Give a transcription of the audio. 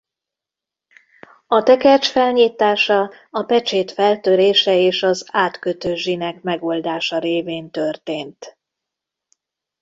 A tekercs felnyitása a pecsét feltörése és az átkötő zsineg megoldása révén történt.